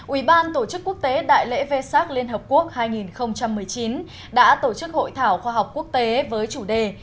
ủy ban tổ chức quốc tế đại lễ vê sác liên hợp quốc hai nghìn một mươi chín đã tổ chức hội thảo khoa học quốc tế với chủ đề